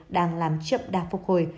đang làm chậm đạt phục hồi